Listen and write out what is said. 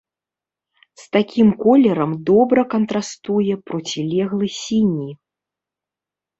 З такім колерам добра кантрастуе процілеглы сіні.